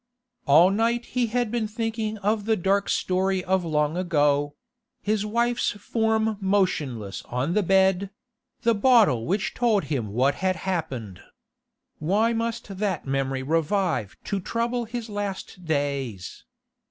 All night he had been thinking of the dark story of long ago—his wife's form motionless on the bed—the bottle which told him what had happened. Why must that memory revive to trouble his last days?